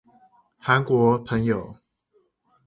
韓國朋友